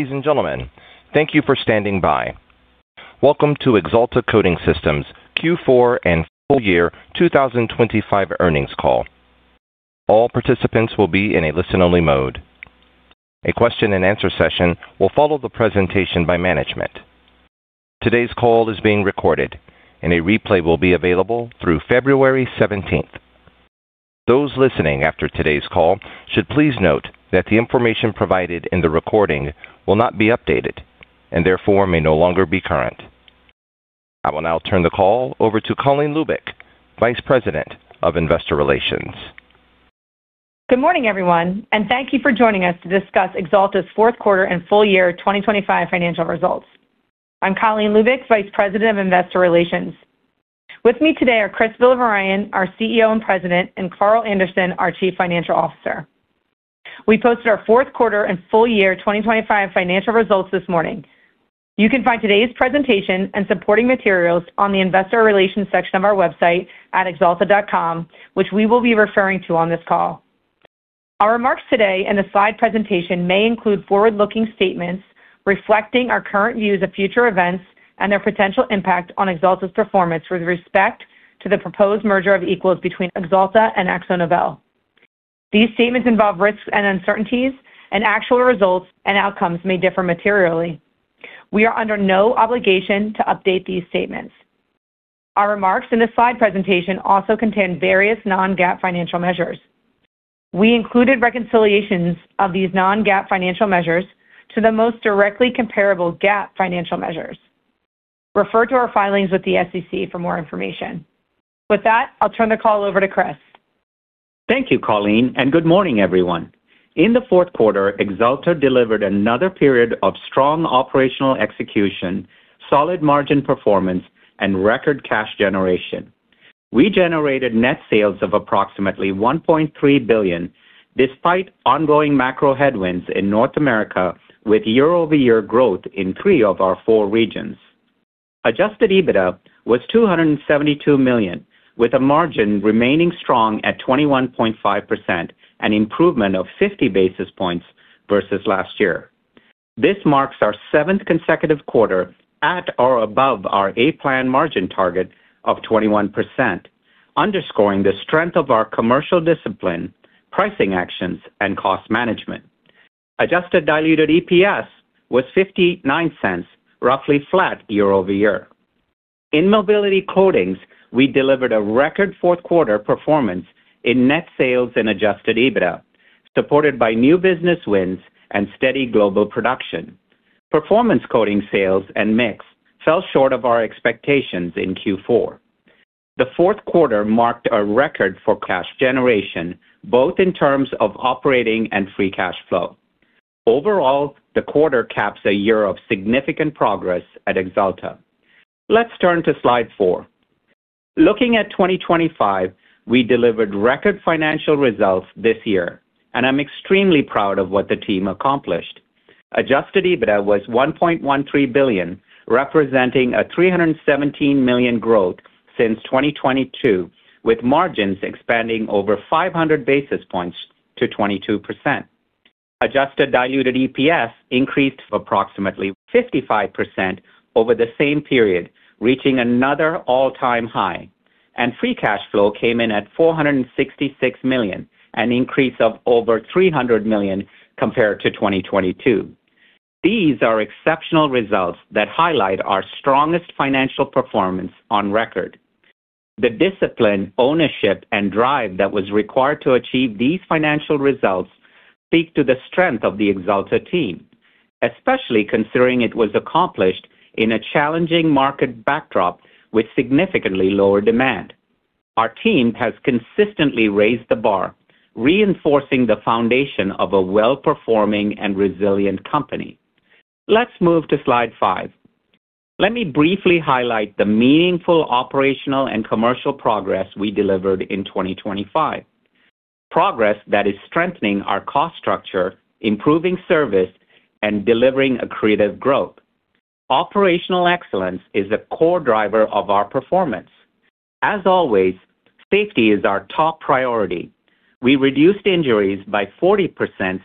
Ladies and gentlemen, thank you for standing by. Welcome to Axalta Coating Systems' Q4 and Full-Year 2025 Earnings Call. All participants will be in a listen-only mode. A question-and-answer session will follow the presentation by management. Today's call is being recorded, and a replay will be available through February 17th. Those listening after today's call should please note that the information provided in the recording will not be updated and therefore may no longer be current. I will now turn the call over to Colleen Lubic, Vice President of Investor Relations. Good morning, everyone, and thank you for joining us to discuss Axalta's fourth quarter and full-year 2025 financial results. I'm Colleen Lubic, Vice President of Investor Relations. With me today are Chris Villavarayan, our CEO and President, and Carl Anderson, our Chief Financial Officer. We posted our fourth quarter and full-year 2025 financial results this morning. You can find today's presentation and supporting materials on the Investor Relations section of our website at axalta.com, which we will be referring to on this call. Our remarks today and the slide presentation may include forward-looking statements reflecting our current views of future events and their potential impact on Axalta's performance with respect to the proposed merger of equals between Axalta and AkzoNobel. These statements involve risks and uncertainties, and actual results and outcomes may differ materially. We are under no obligation to update these statements. Our remarks in the slide presentation also contain various non-GAAP financial measures. We included reconciliations of these non-GAAP financial measures to the most directly comparable GAAP financial measures. Refer to our filings with the SEC for more information. With that, I'll turn the call over to Chris. Thank you, Colleen, and good morning, everyone. In the fourth quarter, Axalta delivered another period of strong operational execution, solid margin performance, and record cash generation. We generated net sales of approximately $1.3 billion despite ongoing macro headwinds in North America with year-over-year growth in three of our four regions. Adjusted EBITDA was $272 million, with a margin remaining strong at 21.5%, an improvement of 50 basis points versus last year. This marks our seventh consecutive quarter at or above our A-Plan margin target of 21%, underscoring the strength of our commercial discipline, pricing actions, and cost management. Adjusted diluted EPS was $0.59, roughly flat year-over-year. In Mobility Coatings, we delivered a record fourth-quarter performance in net sales and adjusted EBITDA, supported by new business wins and steady global production. Performance Coatings sales and mix fell short of our expectations in Q4. The fourth quarter marked a record for cash generation, both in terms of operating and free cash flow. Overall, the quarter caps a year of significant progress at Axalta. Let's turn to slide 4. Looking at 2025, we delivered record financial results this year, and I'm extremely proud of what the team accomplished. Adjusted EBITDA was $1.13 billion, representing a $317 million growth since 2022, with margins expanding over 500 basis points to 22%. Adjusted diluted EPS increased approximately 55% over the same period, reaching another all-time high, and free cash flow came in at $466 million, an increase of over $300 million compared to 2022. These are exceptional results that highlight our strongest financial performance on record. The discipline, ownership, and drive that was required to achieve these financial results speak to the strength of the Axalta team, especially considering it was accomplished in a challenging market backdrop with significantly lower demand. Our team has consistently raised the bar, reinforcing the foundation of a well-performing and resilient company. Let's move to slide 5. Let me briefly highlight the meaningful operational and commercial progress we delivered in 2025, progress that is strengthening our cost structure, improving service, and delivering a creative growth. Operational excellence is a core driver of our performance. As always, safety is our top priority. We reduced injuries by 40%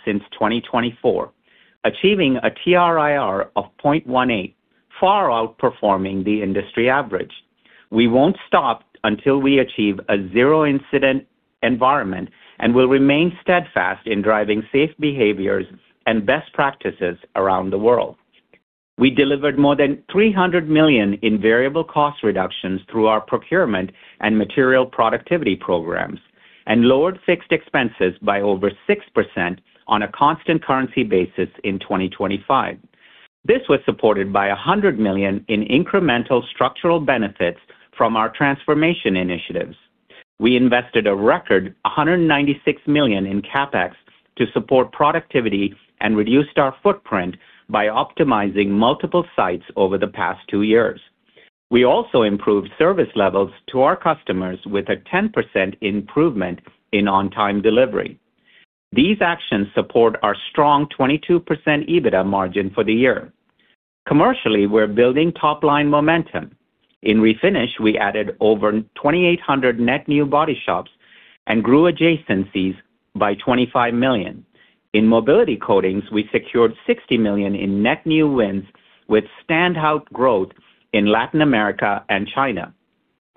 since 2024, achieving a TRIR of 0.18, far outperforming the industry average. We won't stop until we achieve a zero-incident environment and will remain steadfast in driving safe behaviors and best practices around the world. We delivered more than $300 million in variable cost reductions through our procurement and material productivity programs, and lowered fixed expenses by over 6% on a constant currency basis in 2025. This was supported by $100 million in incremental structural benefits from our transformation initiatives. We invested a record $196 million in CapEx to support productivity and reduced our footprint by optimizing multiple sites over the past two years. We also improved service levels to our customers with a 10% improvement in on-time delivery. These actions support our strong 22% EBITDA margin for the year. Commercially, we're building top-line momentum. In Refinish, we added over 2,800 net new body shops and grew adjacencies by $25 million. In Mobility coatings, we secured $60 million in net new wins with standout growth in Latin America and China.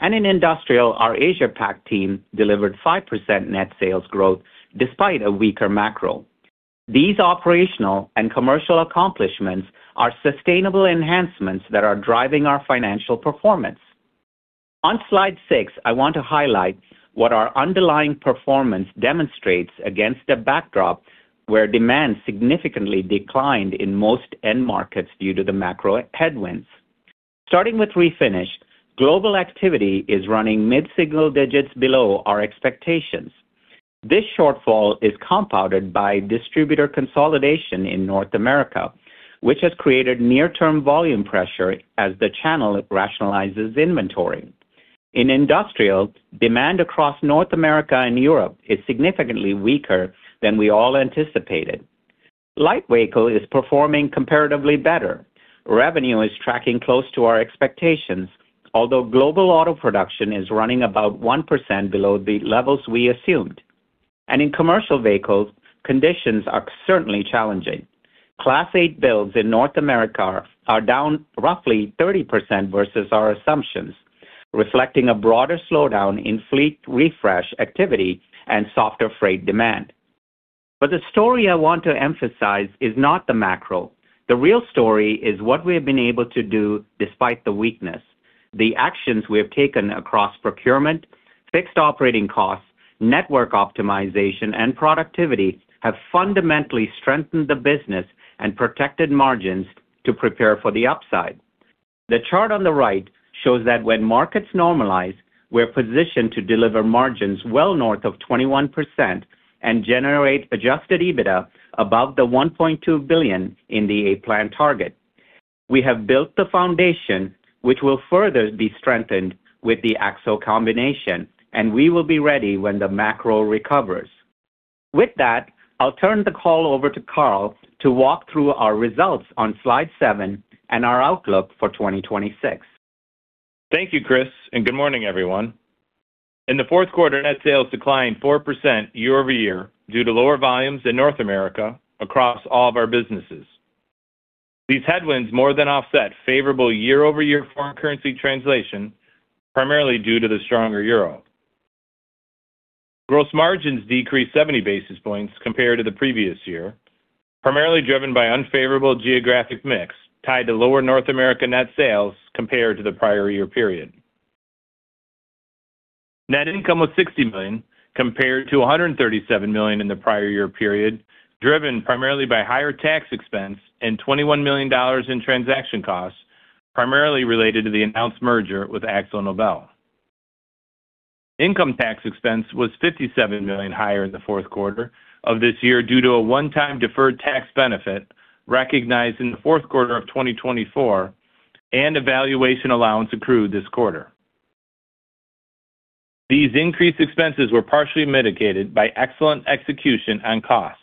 In industrial, our Asia-Pac team delivered 5% net sales growth despite a weaker macro. These operational and commercial accomplishments are sustainable enhancements that are driving our financial performance. On slide 6, I want to highlight what our underlying performance demonstrates against a backdrop where demand significantly declined in most end markets due to the macro headwinds. Starting with Refinish, global activity is running mid-single digits below our expectations. This shortfall is compounded by distributor consolidation in North America, which has created near-term volume pressure as the channel rationalizes inventory. In Industrial, demand across North America and Europe is significantly weaker than we all anticipated. Light vehicle is performing comparatively better. Revenue is tracking close to our expectations, although global auto production is running about 1% below the levels we assumed. And in commercial vehicles, conditions are certainly challenging. Class 8 builds in North America are down roughly 30% versus our assumptions, reflecting a broader slowdown in fleet refresh activity and softer freight demand. But the story I want to emphasize is not the macro. The real story is what we have been able to do despite the weakness. The actions we have taken across procurement, fixed operating costs, network optimization, and productivity have fundamentally strengthened the business and protected margins to prepare for the upside. The chart on the right shows that when markets normalize, we're positioned to deliver margins well north of 21% and generate adjusted EBITDA above the $1.2 billion in the A-Plan target. We have built the foundation, which will further be strengthened with the Akzo combination, and we will be ready when the macro recovers. With that, I'll turn the call over to Carl to walk through our results on slide 7 and our outlook for 2026. Thank you, Chris, and good morning, everyone. In the fourth quarter, net sales declined 4% year-over-year due to lower volumes in North America across all of our businesses. These headwinds more than offset favorable year-over-year foreign currency translation, primarily due to the stronger euro. Gross margins decreased 70 basis points compared to the previous year, primarily driven by unfavorable geographic mix tied to lower North America net sales compared to the prior year period. Net income was $60 million compared to $137 million in the prior year period, driven primarily by higher tax expense and $21 million in transaction costs, primarily related to the announced merger with AkzoNobel. Income tax expense was $57 million higher in the fourth quarter of this year due to a one-time deferred tax benefit recognized in the fourth quarter of 2024 and valuation allowance accrued this quarter. These increased expenses were partially mitigated by excellent execution on costs.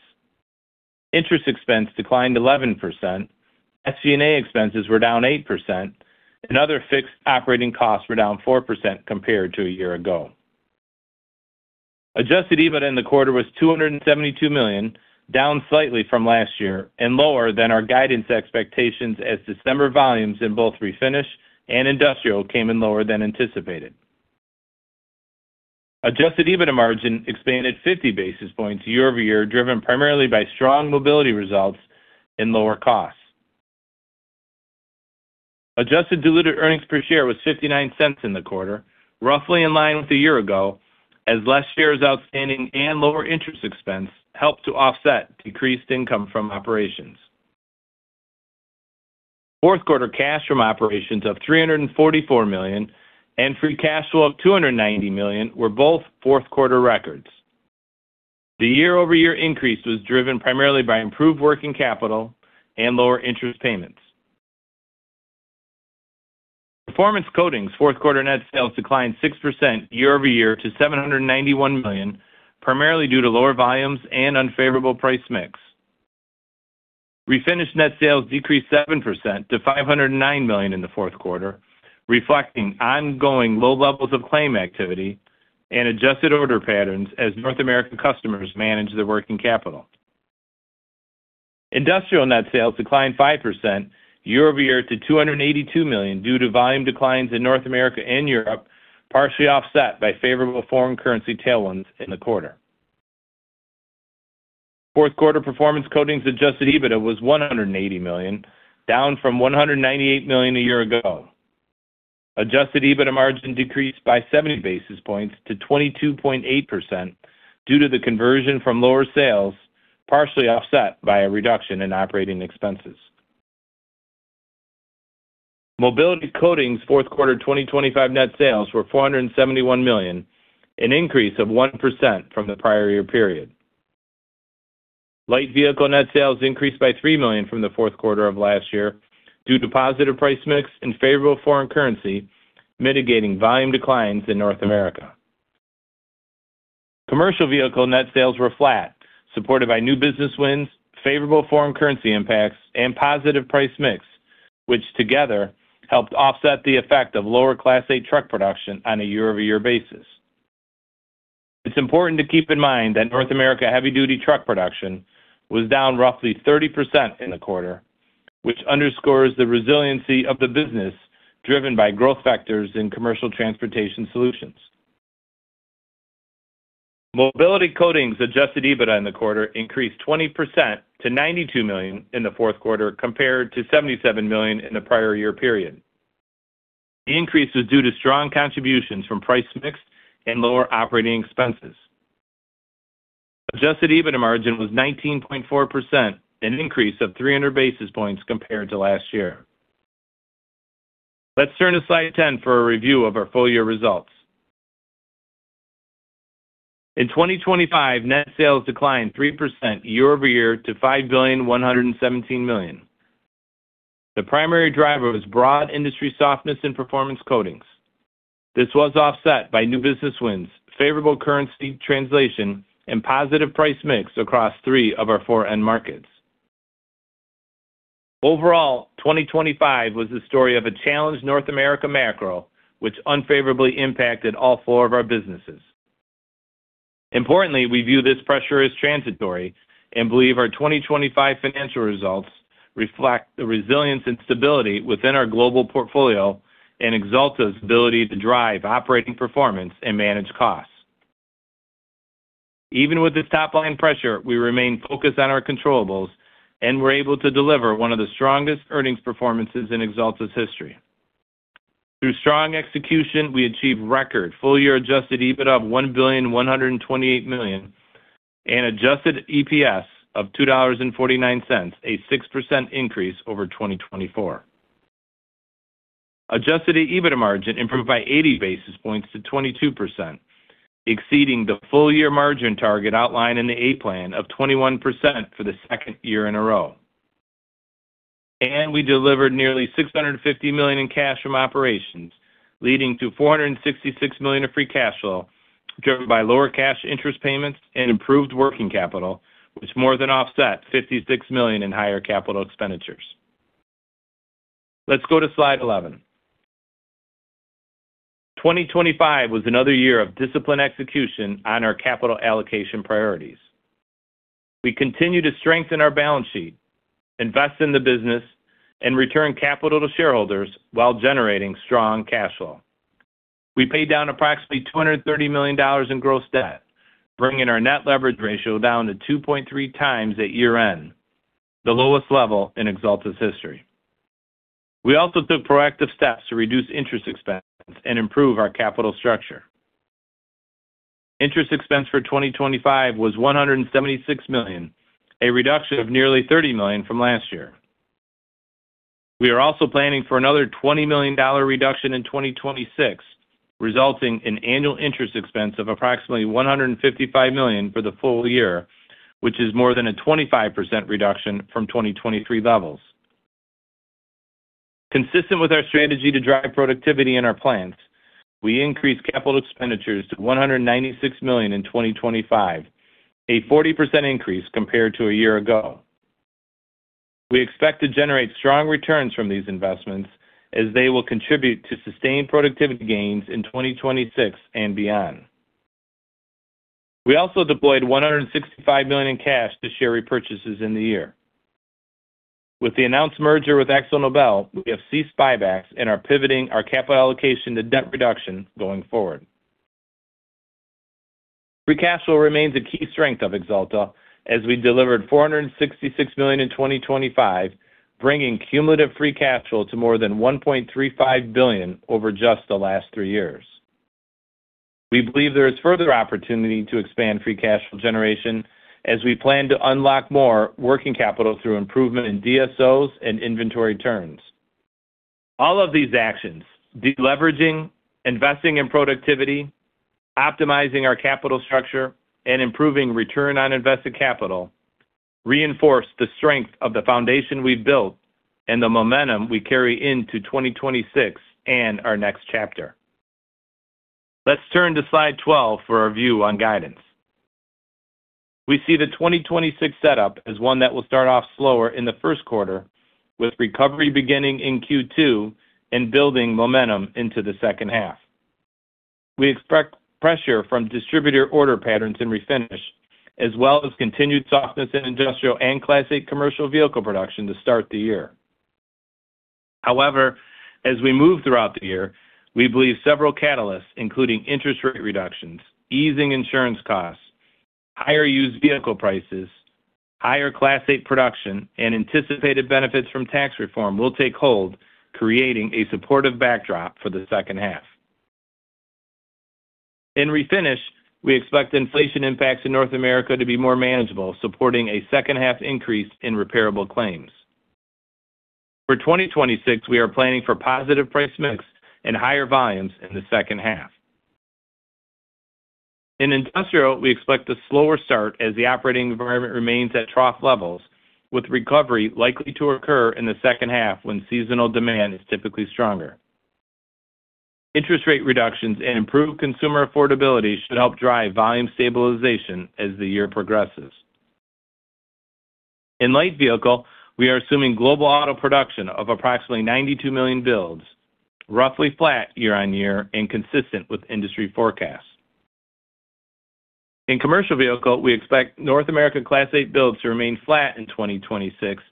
Interest expense declined 11%, SG&A expenses were down 8%, and other fixed operating costs were down 4% compared to a year ago. Adjusted EBITDA in the quarter was $272 million, down slightly from last year and lower than our guidance expectations as December volumes in both Refinish and Industrial came in lower than anticipated. Adjusted EBITDA margin expanded 50 basis points year-over-year, driven primarily by strong Mobility results and lower costs. Adjusted diluted earnings per share was $0.59 in the quarter, roughly in line with a year ago, as less shares outstanding and lower interest expense helped to offset decreased income from operations. Fourth-quarter cash from operations of $344 million and free cash flow of $290 million were both fourth-quarter records. The year-over-year increase was driven primarily by improved working capital and lower interest payments. Performance Coatings, fourth-quarter net sales declined 6% year-over-year to $791 million, primarily due to lower volumes and unfavorable price mix. Refinish net sales decreased 7% to $509 million in the fourth quarter, reflecting ongoing low levels of claim activity and adjusted order patterns as North America customers manage their working capital. Industrial net sales declined 5% year-over-year to $282 million due to volume declines in North America and Europe, partially offset by favorable foreign currency tailwinds in the quarter. Fourth-quarter Performance Coatings Adjusted EBITDA was $180 million, down from $198 million a year ago. Adjusted EBITDA margin decreased by 70 basis points to 22.8% due to the conversion from lower sales, partially offset by a reduction in operating expenses. Mobility Coatings, fourth-quarter 2025 net sales were $471 million, an increase of 1% from the prior year period. Light Vehicle net sales increased by $3 million from the fourth quarter of last year due to positive price mix and favorable foreign currency, mitigating volume declines in North America. Commercial vehicle net sales were flat, supported by new business wins, favorable foreign currency impacts, and positive price mix, which together helped offset the effect of lower Class 8 truck production on a year-over-year basis. It's important to keep in mind that North America heavy-duty truck production was down roughly 30% in the quarter, which underscores the resiliency of the business driven by growth factors in commercial transportation solutions. Mobility Coatings, Adjusted EBITDA in the quarter increased 20% to $92 million in the fourth quarter compared to $77 million in the prior year period. The increase was due to strong contributions from price mix and lower operating expenses. Adjusted EBITDA margin was 19.4%, an increase of 300 basis points compared to last year. Let's turn to slide 10 for a review of our full year results. In 2025, net sales declined 3% year-over-year to $5,117 million. The primary driver was broad industry softness in performance coatings. This was offset by new business wins, favorable currency translation, and positive price mix across three of our four end markets. Overall, 2025 was the story of a challenged North America macro, which unfavorably impacted all four of our businesses. Importantly, we view this pressure as transitory and believe our 2025 financial results reflect the resilience and stability within our global portfolio and Axalta's ability to drive operating performance and manage costs. Even with this top-line pressure, we remain focused on our controllables and were able to deliver one of the strongest earnings performances in Axalta's history. Through strong execution, we achieved record full year adjusted EBITDA of $1,128 million and adjusted EPS of $2.49, a 6% increase over 2024. Adjusted EBITDA margin improved by 80 basis points to 22%, exceeding the full year margin target outlined in the A-plan of 21% for the second year in a row. We delivered nearly $650 million in cash from operations, leading to $466 million of free cash flow driven by lower cash interest payments and improved working capital, which more than offset $56 million in higher capital expenditures. Let's go to slide 11. 2025 was another year of disciplined execution on our capital allocation priorities. We continue to strengthen our balance sheet, invest in the business, and return capital to shareholders while generating strong cash flow. We paid down approximately $230 million in gross debt, bringing our net leverage ratio down to 2.3 times at year-end, the lowest level in Axalta's history. We also took proactive steps to reduce interest expense and improve our capital structure. Interest expense for 2025 was $176 million, a reduction of nearly $30 million from last year. We are also planning for another $20 million reduction in 2026, resulting in annual interest expense of approximately $155 million for the full year, which is more than a 25% reduction from 2023 levels. Consistent with our strategy to drive productivity in our plants, we increased capital expenditures to $196 million in 2025, a 40% increase compared to a year ago. We expect to generate strong returns from these investments as they will contribute to sustained productivity gains in 2026 and beyond. We also deployed $165 million in cash to share repurchases in the year. With the announced merger with AkzoNobel, we have ceased buybacks and are pivoting our capital allocation to debt reduction going forward. Free cash flow remains a key strength of Axalta as we delivered $466 million in 2025, bringing cumulative free cash flow to more than $1.35 billion over just the last three years. We believe there is further opportunity to expand free cash flow generation as we plan to unlock more working capital through improvement in DSOs and inventory turns. All of these actions, de-leveraging, investing in productivity, optimizing our capital structure, and improving return on invested capital, reinforce the strength of the foundation we've built and the momentum we carry into 2026 and our next chapter. Let's turn to slide 12 for our view on guidance. We see the 2026 setup as one that will start off slower in the first quarter, with recovery beginning in Q2 and building momentum into the second half. We expect pressure from distributor order patterns in Refinish, as well as continued softness in Industrial and Class 8 commercial vehicle production to start the year. However, as we move throughout the year, we believe several catalysts, including interest rate reductions, easing insurance costs, higher used vehicle prices, higher Class 8 production, and anticipated benefits from tax reform, will take hold, creating a supportive backdrop for the second half. In Refinish, we expect inflation impacts in North America to be more manageable, supporting a second-half increase in repairable claims. For 2026, we are planning for positive price mix and higher volumes in the second half. In Industrial, we expect a slower start as the operating environment remains at trough levels, with recovery likely to occur in the second half when seasonal demand is typically stronger. Interest rate reductions and improved consumer affordability should help drive volume stabilization as the year progresses. In light vehicle, we are assuming global auto production of approximately 92 million builds, roughly flat year-over-year and consistent with industry forecasts. In commercial vehicle, we expect North America Class 8 builds to remain flat in 2026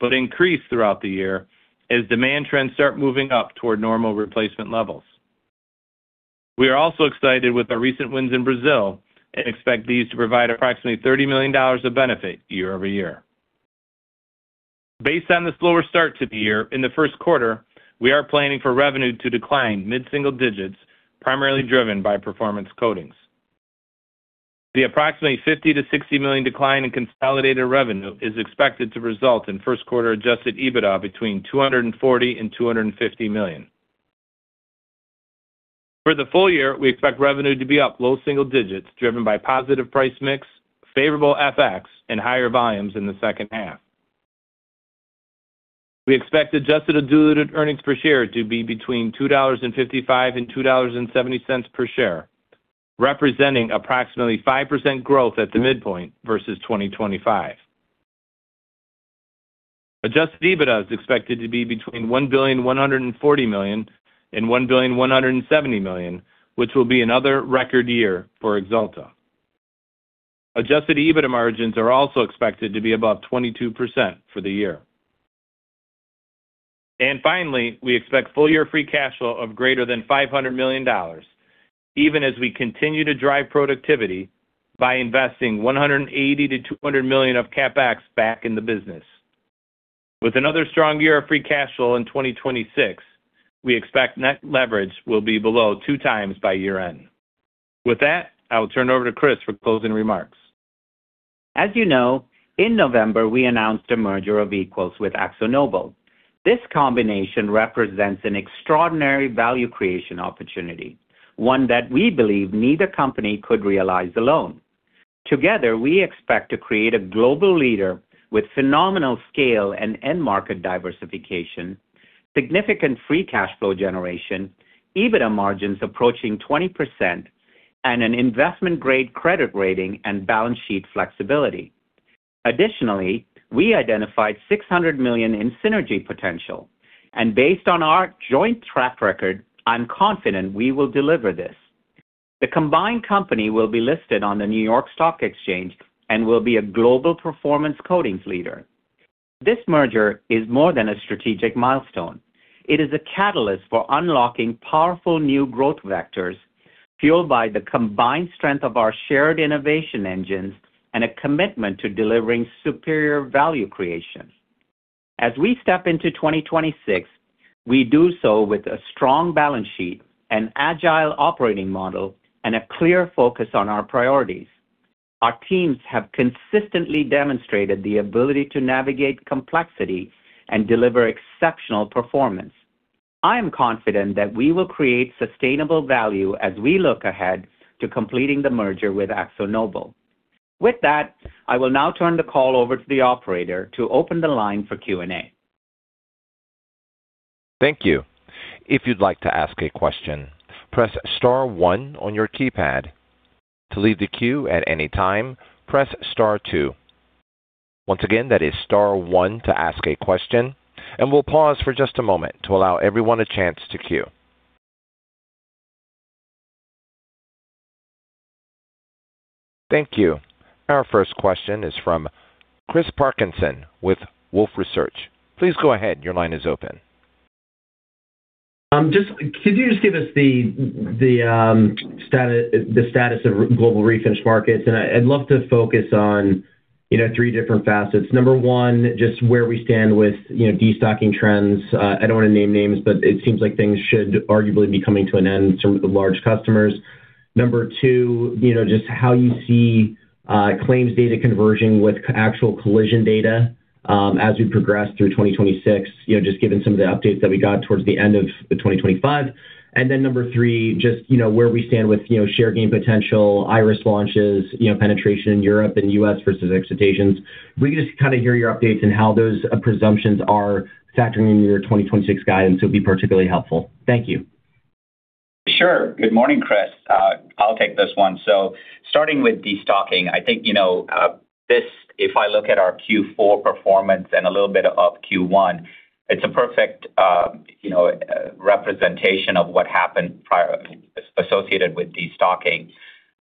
but increase throughout the year as demand trends start moving up toward normal replacement levels. We are also excited with our recent wins in Brazil and expect these to provide approximately $30 million of benefit year-over-year. Based on this slower start to the year, in the first quarter, we are planning for revenue to decline mid-single digits, primarily driven by Performance Coatings. The approximately $50 million-$60 million decline in consolidated revenue is expected to result in first-quarter adjusted EBITDA between $240 million and $250 million. For the full year, we expect revenue to be up low single digits, driven by positive price mix, favorable FX, and higher volumes in the second half. We expect adjusted diluted earnings per share to be between $2.55 and $2.70 per share, representing approximately 5% growth at the midpoint versus 2025. Adjusted EBITDA is expected to be between $1,140 million and $1,170 million, which will be another record year for Axalta. Adjusted EBITDA margins are also expected to be above 22% for the year. And finally, we expect full year free cash flow of greater than $500 million, even as we continue to drive productivity by investing $180 million-$200 million of CapEx back in the business. With another strong year of free cash flow in 2026, we expect net leverage will be below 2x by year-end. With that, I will turn over to Chris for closing remarks. As you know, in November, we announced a merger of equals with AkzoNobel. This combination represents an extraordinary value creation opportunity, one that we believe neither company could realize alone. Together, we expect to create a global leader with phenomenal scale and end-market diversification, significant free cash flow generation, EBITDA margins approaching 20%, and an investment-grade credit rating and balance sheet flexibility. Additionally, we identified $600 million in synergy potential, and based on our joint track record, I'm confident we will deliver this. The combined company will be listed on the New York Stock Exchange and will be a global Performance Coatings leader. This merger is more than a strategic milestone. It is a catalyst for unlocking powerful new growth vectors, fueled by the combined strength of our shared innovation engines and a commitment to delivering superior value creation. As we step into 2026, we do so with a strong balance sheet, an agile operating model, and a clear focus on our priorities. Our teams have consistently demonstrated the ability to navigate complexity and deliver exceptional performance. I am confident that we will create sustainable value as we look ahead to completing the merger with AkzoNobel. With that, I will now turn the call over to the operator to open the line for Q&A. Thank you. If you'd like to ask a question, press star one on your keypad. To leave the queue at any time, press star two. Once again, that is star one to ask a question, and we'll pause for just a moment to allow everyone a chance to queue. Thank you. Our first question is from Chris Parkinson with Wolfe Research. Please go ahead. Your line is open. Could you just give us the status of global refinish markets? I'd love to focus on 3 different facets. Number 1, just where we stand with destocking trends. I don't want to name names, but it seems like things should arguably be coming to an end for large customers. Number 2, just how you see claims data converging with actual collision data as we progress through 2026, just given some of the updates that we got towards the end of 2025. And then number 3, just where we stand with share gain potential, Irus launches, penetration in Europe and U.S. versus Axalta's. If we could just kind of hear your updates and how those presumptions are factoring into your 2026 guidance, it would be particularly helpful. Thank you. Sure. Good morning, Chris. I'll take this one. Starting with destocking, I think if I look at our Q4 performance and a little bit of Q1, it's a perfect representation of what happened associated with destocking.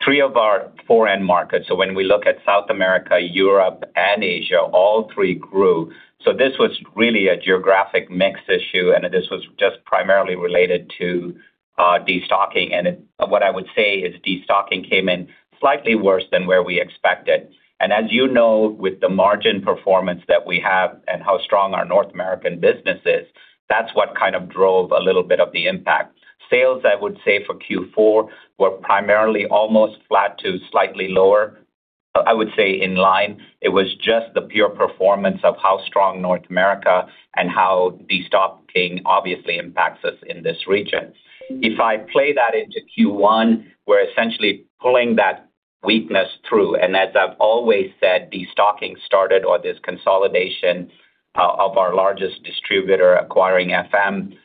Three of our four end-markets, so when we look at South America, Europe, and Asia, all three grew. This was really a geographic mix issue, and this was just primarily related to destocking. What I would say is destocking came in slightly worse than where we expected. As you know, with the margin performance that we have and how strong our North American business is, that's what kind of drove a little bit of the impact. Sales, I would say, for Q4 were primarily almost flat to slightly lower, I would say, in line. It was just the pure performance of how strong North America and how destocking obviously impacts us in this region. If I play that into Q1, we're essentially pulling that weakness through. As I've always said, destocking started or this consolidation of our largest distributor, acquiring FM,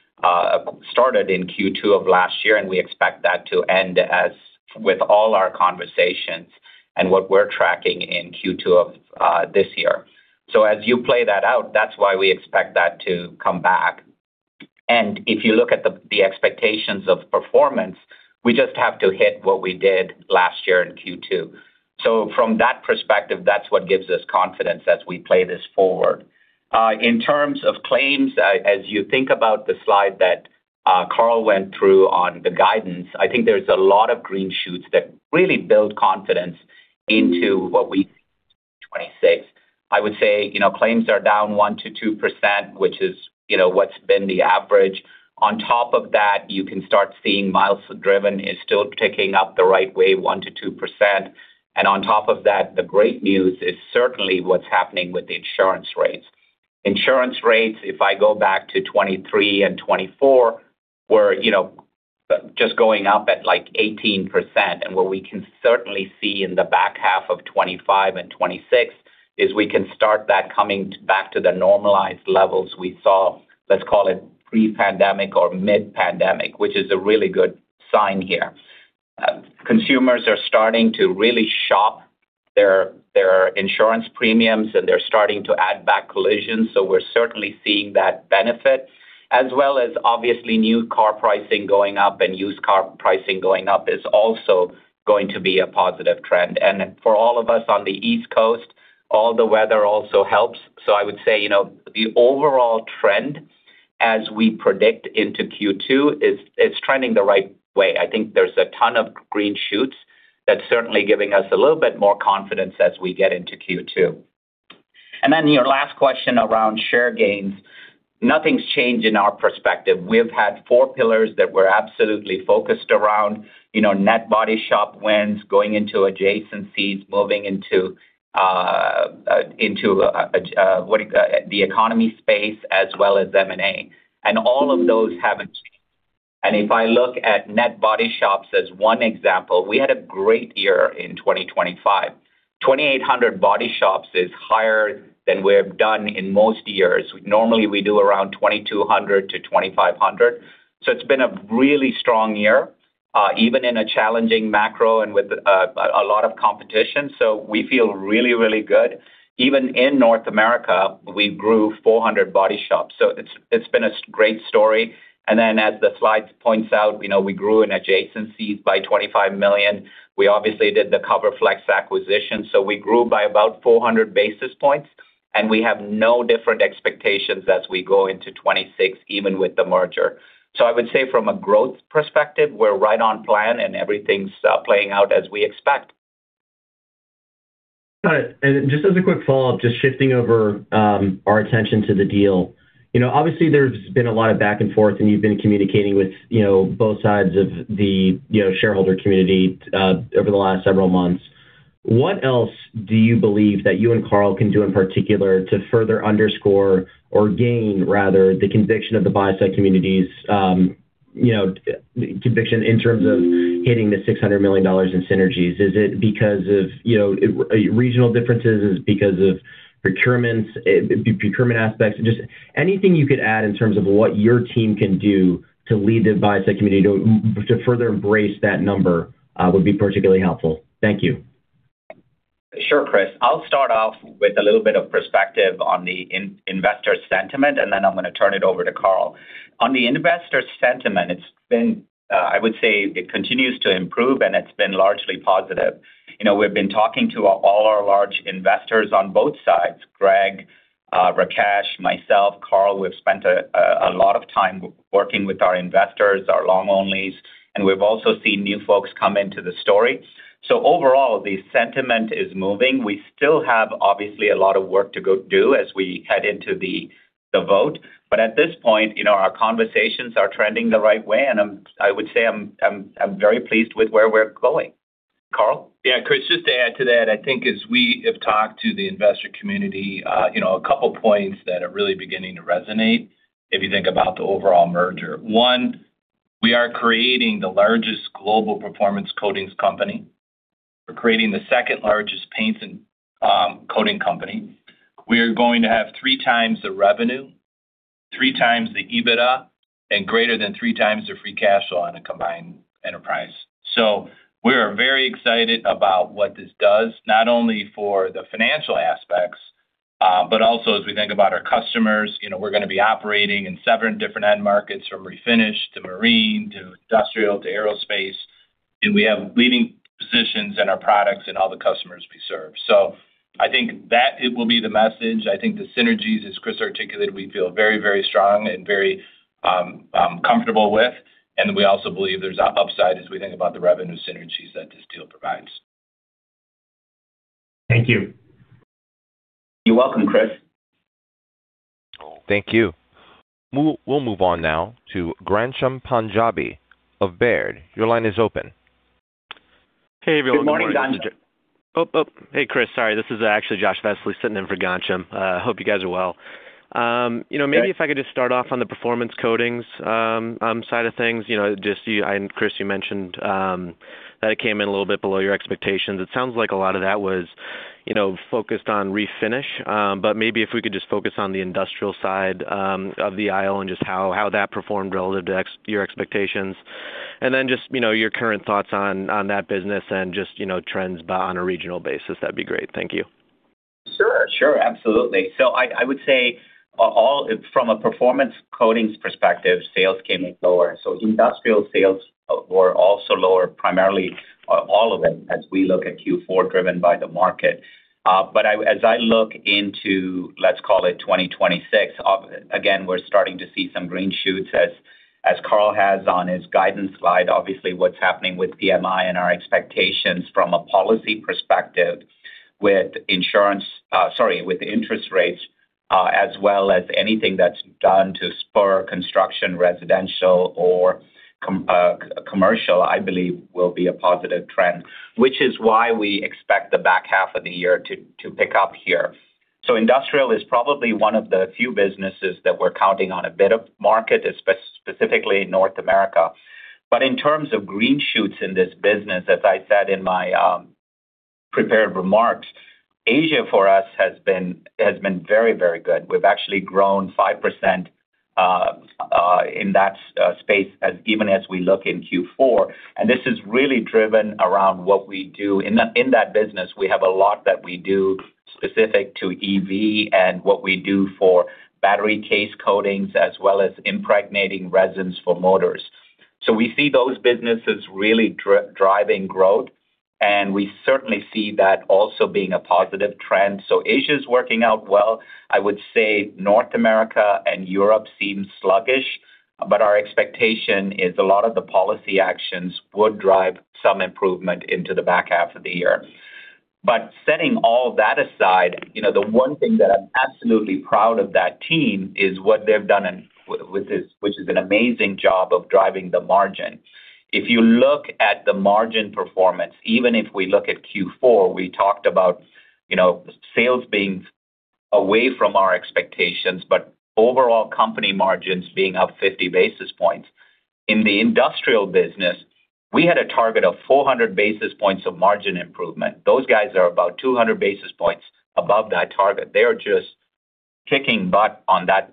started in Q2 of last year, and we expect that to end with all our conversations and what we're tracking in Q2 of this year. As you play that out, that's why we expect that to come back. If you look at the expectations of performance, we just have to hit what we did last year in Q2. From that perspective, that's what gives us confidence as we play this forward. In terms of claims, as you think about the slide that Carl went through on the guidance, I think there's a lot of green shoots that really build confidence into what we see in 2026. I would say claims are down 1%-2%, which is what's been the average. On top of that, you can start seeing milestone-driven is still taking up the right way, 1%-2%. And on top of that, the great news is certainly what's happening with the insurance rates. Insurance rates, if I go back to 2023 and 2024, were just going up at like 18%. And what we can certainly see in the back half of 2025 and 2026 is we can start that coming back to the normalized levels we saw, let's call it pre-pandemic or mid-pandemic, which is a really good sign here. Consumers are starting to really shop their insurance premiums, and they're starting to add back collisions. So we're certainly seeing that benefit, as well as obviously new car pricing going up and used car pricing going up is also going to be a positive trend. And for all of us on the East Coast, all the weather also helps. So I would say the overall trend as we predict into Q2 is trending the right way. I think there's a ton of green shoots that's certainly giving us a little bit more confidence as we get into Q2. And then your last question around share gains, nothing's changed in our perspective. We've had four pillars that we're absolutely focused around: net body shop wins, going into adjacencies, moving into the economy space, as well as M&A. And all of those haven't changed. If I look at net body shops as one example, we had a great year in 2025. 2,800 body shops is higher than we've done in most years. Normally, we do around 2,200-2,500. So it's been a really strong year, even in a challenging macro and with a lot of competition. So we feel really, really good. Even in North America, we grew 400 body shops. So it's been a great story. And then, as the slide points out, we grew in adjacencies by $25 million. We obviously did the CoverFlexx acquisition. So we grew by about 400 basis points, and we have no different expectations as we go into 2026, even with the merger. So I would say from a growth perspective, we're right on plan, and everything's playing out as we expect. Got it. And just as a quick follow-up, just shifting over our attention to the deal, obviously, there's been a lot of back and forth, and you've been communicating with both sides of the shareholder community over the last several months. What else do you believe that you and Carl can do in particular to further underscore or gain, rather, the conviction of the buy-side community's conviction in terms of hitting the $600 million in synergies? Is it because of regional differences? Is it because of procurement aspects? Just anything you could add in terms of what your team can do to lead the buy-side community to further embrace that number would be particularly helpful. Thank you. Sure, Chris. I'll start off with a little bit of perspective on the investor sentiment, and then I'm going to turn it over to Carl. On the investor sentiment, I would say it continues to improve, and it's been largely positive. We've been talking to all our large investors on both sides: Greg, Rakesh, myself, Carl. We've spent a lot of time working with our investors, our long-onlies, and we've also seen new folks come into the story. So overall, the sentiment is moving. We still have, obviously, a lot of work to go do as we head into the vote. But at this point, our conversations are trending the right way, and I would say I'm very pleased with where we're going. Carl? Yeah, Chris, just to add to that, I think as we have talked to the investor community, a couple of points that are really beginning to resonate if you think about the overall merger. One, we are creating the largest global performance coatings company. We're creating the second largest paints and coating company. We are going to have 3 times the revenue, 3 times the EBITDA, and greater than 3 times the free cash flow on a combined enterprise. So we are very excited about what this does, not only for the financial aspects, but also as we think about our customers, we're going to be operating in 7 different end markets from refinish to marine to industrial to aerospace. And we have leading positions in our products and all the customers we serve. So I think that it will be the message. I think the synergies, as Chris articulated, we feel very, very strong and very comfortable with. And we also believe there's an upside as we think about the revenue synergies that this deal provides. Thank you. You're welcome, Chris. Thank you. We'll move on now to Ghansham Panjabi of Baird. Your line is open. Hey, everyone. Good morning, Ghansham. Oh, oh, hey, Chris. Sorry. This is actually Josh Vesely sitting in for Ghansham. Hope you guys are well. Maybe if I could just start off on the Performance Coatings side of things. Chris, you mentioned that it came in a little bit below your expectations. It sounds like a lot of that was focused on Refinish. But maybe if we could just focus on the Industrial side of the aisle and just how that performed relative to your expectations, and then just your current thoughts on that business and just trends on a regional basis, that'd be great. Thank you. Sure, sure. Absolutely. So I would say from a Performance Coatings perspective, sales came in lower. So Industrial sales were also lower, primarily all of it, as we look at Q4, driven by the market. But as I look into, let's call it, 2026, again, we're starting to see some green shoots, as Carl has on his guidance slide. Obviously, what's happening with PMI and our expectations from a policy perspective with insurance sorry, with interest rates, as well as anything that's done to spur construction, residential, or commercial, I believe, will be a positive trend, which is why we expect the back half of the year to pick up here. So Industrial is probably one of the few businesses that we're counting on a bit of market, specifically North America. But in terms of green shoots in this business, as I said in my prepared remarks, Asia for us has been very, very good. We've actually grown 5% in that space even as we look in Q4. And this is really driven around what we do in that business. We have a lot that we do specific to EV and what we do for battery case coatings, as well as impregnating resins for motors. So we see those businesses really driving growth, and we certainly see that also being a positive trend. So Asia's working out well. I would say North America and Europe seem sluggish, but our expectation is a lot of the policy actions would drive some improvement into the back half of the year. But setting all that aside, the one thing that I'm absolutely proud of that team is what they've done with this, which is an amazing job of driving the margin. If you look at the margin performance, even if we look at Q4, we talked about sales being away from our expectations, but overall company margins being up 50 basis points. In the industrial business, we had a target of 400 basis points of margin improvement. Those guys are about 200 basis points above that target. They are just kicking butt on that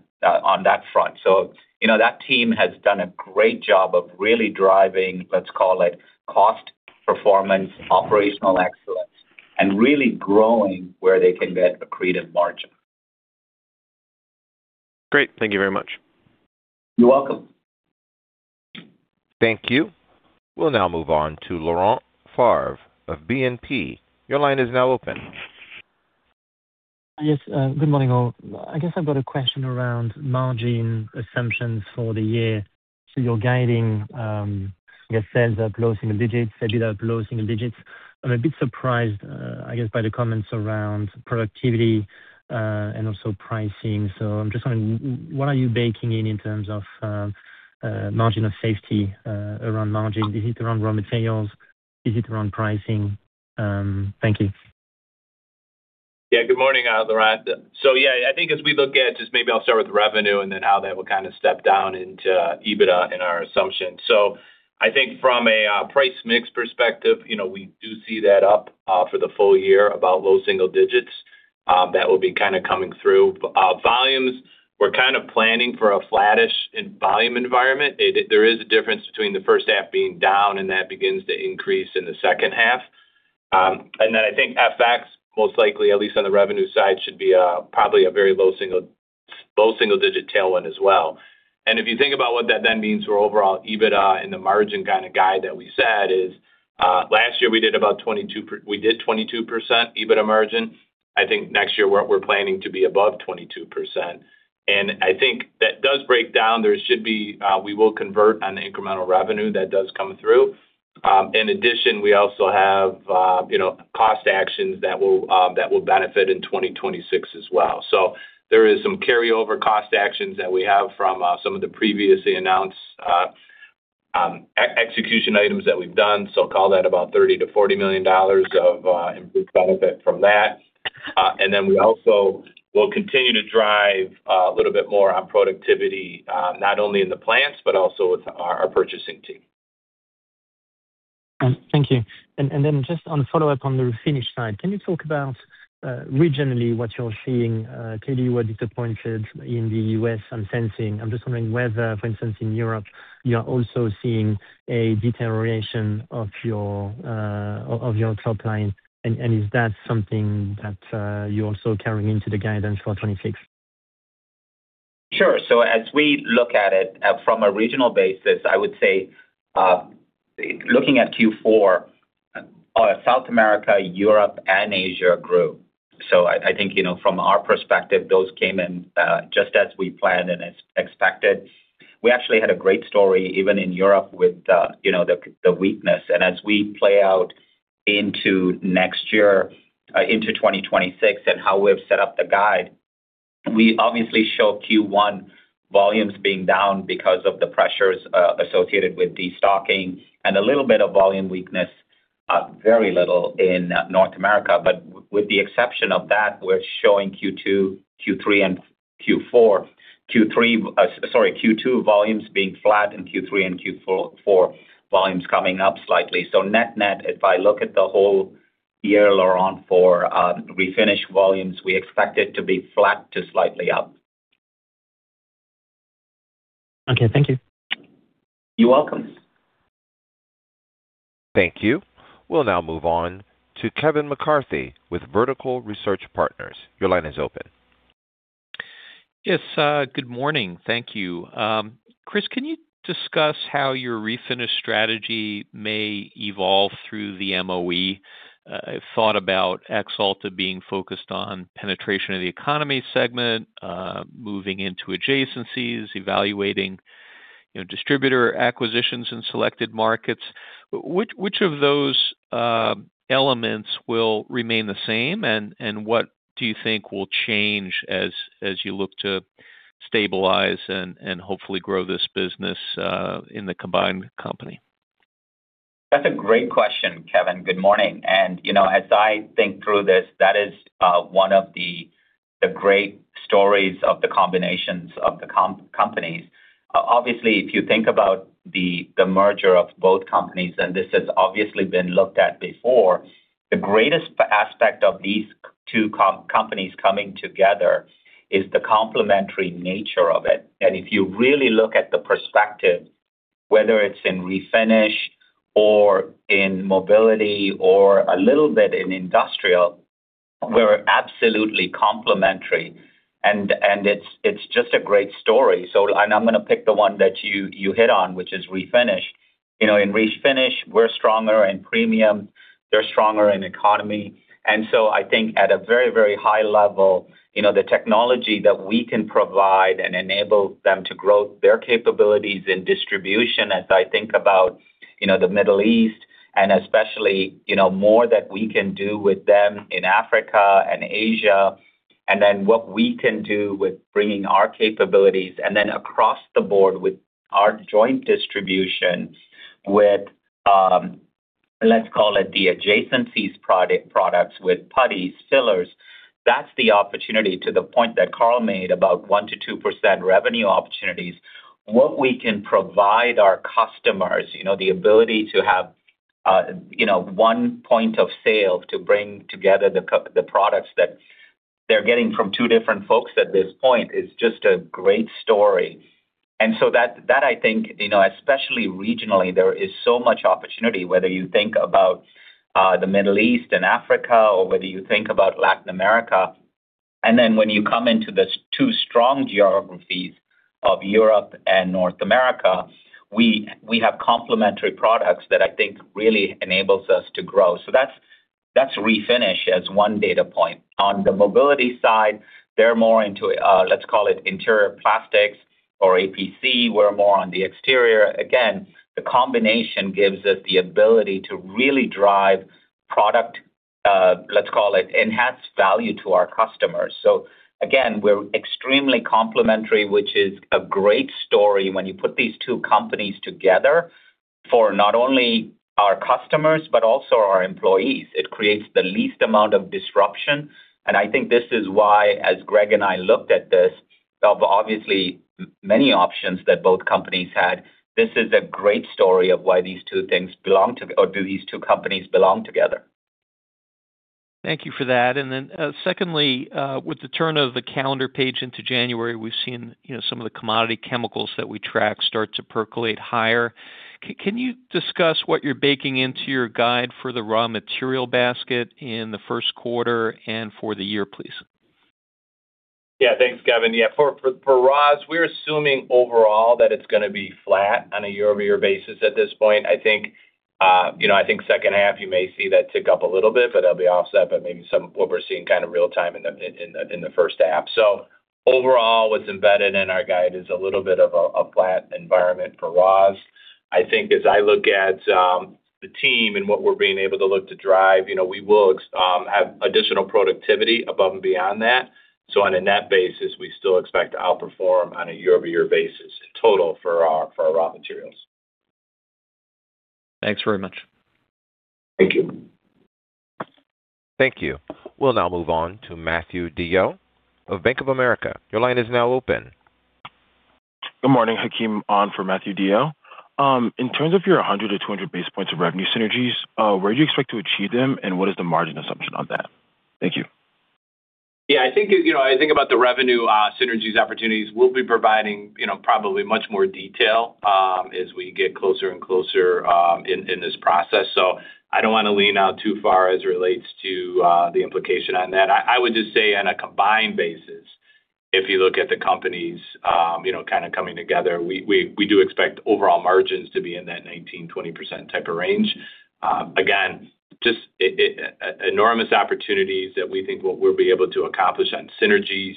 front. So that team has done a great job of really driving, let's call it, cost performance, operational excellence, and really growing where they can get accretive margin. Great. Thank you very much. You're welcome. Thank you. We'll now move on to Laurent Favre of BNP. Your line is now open. Yes. Good morning, all. I guess I've got a question around margin assumptions for the year. So you're guiding, I guess, sales up, low single digits, a bit up, low single digits. I'm a bit surprised, I guess, by the comments around productivity and also pricing. So I'm just wondering, what are you baking in in terms of margin of safety around margin? Is it around raw materials? Is it around pricing? Thank you. Yeah. Good morning, Laurent. So yeah, I think as we look at just maybe I'll start with revenue and then how that will kind of step down into EBITDA and our assumptions. So I think from a price mix perspective, we do see that up for the full year, about low single digits. That will be kind of coming through. Volumes, we're kind of planning for a flattish in volume environment. There is a difference between the first half being down, and that begins to increase in the second half. And then I think FX, most likely, at least on the revenue side, should be probably a very low single digit tailwind as well. And if you think about what that then means for overall EBITDA and the margin kind of guide that we said is last year, we did about 22 we did 22% EBITDA margin. I think next year, we're planning to be above 22%. And I think that does break down. There should be, we will convert on the incremental revenue that does come through. In addition, we also have cost actions that will benefit in 2026 as well. So there is some carryover cost actions that we have from some of the previously announced execution items that we've done. So call that about $30 million-$40 million of improved benefit from that. And then we also will continue to drive a little bit more on productivity, not only in the plants but also with our purchasing team. Thank you. And then just on a follow-up on the Refinish side, can you talk about regionally what you're seeing? Chris, you were disappointed in the U.S., I'm sensing. I'm just wondering whether, for instance, in Europe, you are also seeing a deterioration of your top line. And is that something that you're also carrying into the guidance for 2026? Sure. So as we look at it from a regional basis, I would say looking at Q4, South America, Europe, and Asia grew. So I think from our perspective, those came in just as we planned and expected. We actually had a great story even in Europe with the weakness. And as we play out into next year, into 2026, and how we've set up the guide, we obviously show Q1 volumes being down because of the pressures associated with destocking and a little bit of volume weakness, very little in North America. But with the exception of that, we're showing Q2, Q3, and Q4, sorry, Q2 volumes being flat and Q3 and Q4 volumes coming up slightly. So net-net, if I look at the whole year, Laurent, for Refinish volumes, we expect it to be flat to slightly up. Okay. Thank you. You're welcome. Thank you. We'll now move on to Kevin McCarthy with Vertical Research Partners. Your line is open. Yes. Good morning. Thank you. Chris, can you discuss how your refinish strategy may evolve through the MOE? I've thought about Axalta being focused on penetration of the economy segment, moving into adjacencies, evaluating distributor acquisitions in selected markets. Which of those elements will remain the same, and what do you think will change as you look to stabilize and hopefully grow this business in the combined company? That's a great question, Kevin. Good morning. As I think through this, that is one of the great stories of the combinations of the companies. Obviously, if you think about the merger of both companies, and this has obviously been looked at before, the greatest aspect of these two companies coming together is the complementary nature of it. If you really look at the perspective, whether it's in refinish or in mobility or a little bit in industrial, we're absolutely complementary. It's just a great story. I'm going to pick the one that you hit on, which is refinish. In refinish, we're stronger in premium. They're stronger in economy. I think at a very, very high level, the technology that we can provide and enable them to grow their capabilities in distribution as I think about the Middle East and especially more that we can do with them in Africa and Asia, and then what we can do with bringing our capabilities and then across the board with our joint distribution with, let's call it, the adjacencies products with putties, fillers, that's the opportunity to the point that Carl made about 1%-2% revenue opportunities. What we can provide our customers, the ability to have one point of sale to bring together the products that they're getting from two different folks at this point is just a great story. And so that, I think, especially regionally, there is so much opportunity, whether you think about the Middle East and Africa or whether you think about Latin America. And then when you come into the two strong geographies of Europe and North America, we have complementary products that I think really enables us to grow. So that's refinish as one data point. On the mobility side, they're more into, let's call it, interior plastics or APC. We're more on the exterior. Again, the combination gives us the ability to really drive product, let's call it, enhanced value to our customers. So again, we're extremely complementary, which is a great story when you put these two companies together for not only our customers but also our employees. It creates the least amount of disruption. And I think this is why, as Greg and I looked at this, of obviously many options that both companies had, this is a great story of why these two things belong together or do these two companies belong together. Thank you for that. And then secondly, with the turn of the calendar page into January, we've seen some of the commodity chemicals that we track start to percolate higher. Can you discuss what you're baking into your guide for the raw material basket in the first quarter and for the year, please? Yeah. Thanks, Kevin. Yeah. For raws, we're assuming overall that it's going to be flat on a year-over-year basis at this point. I think second half, you may see that tick up a little bit, but they'll be offset, but maybe what we're seeing kind of real-time in the first half. So overall, what's embedded in our guide is a little bit of a flat environment for raws. I think as I look at the team and what we're being able to look to drive, we will have additional productivity above and beyond that. So on a net basis, we still expect to outperform on a year-over-year basis in total for our raw materials. Thanks very much. Thank you. Thank you. We'll now move on to Matthew DeYoe of Bank of America. Your line is now open. Good morning, Hakeem Olorun-Owe for Matthew DeYoe. In terms of your 100-200 basis points of revenue synergies, where do you expect to achieve them, and what is the margin assumption on that? Thank you. Yeah. I think about the revenue synergies opportunities, we'll be providing probably much more detail as we get closer and closer in this process. So I don't want to lean out too far as it relates to the implication on that. I would just say on a combined basis, if you look at the companies kind of coming together, we do expect overall margins to be in that 19%-20% type of range. Again, just enormous opportunities that we think we'll be able to accomplish on synergies.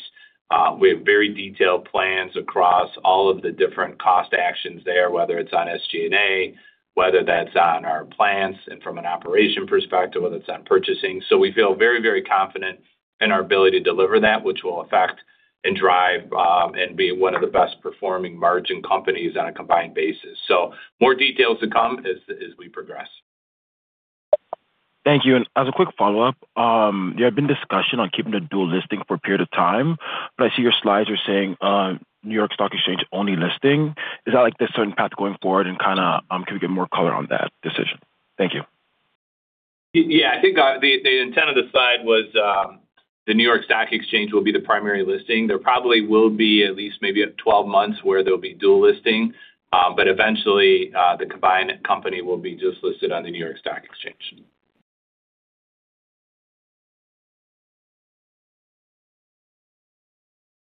We have very detailed plans across all of the different cost actions there, whether it's on SG&A, whether that's on our plants and from an operation perspective, whether it's on purchasing. So we feel very, very confident in our ability to deliver that, which will affect and drive and be one of the best-performing margin companies on a combined basis. More details to come as we progress. Thank you. And as a quick follow-up, there had been discussion on keeping the dual listing for a period of time, but I see your slides are saying New York Stock Exchange only listing. Is that like this certain path going forward, and kind of can we get more color on that decision? Thank you. Yeah. I think the intent of the slide was the New York Stock Exchange will be the primary listing. There probably will be at least maybe 12 months where there'll be dual listing, but eventually, the combined company will be just listed on the New York Stock Exchange.